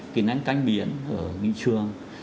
kỹ năng canh biển ở nghị trường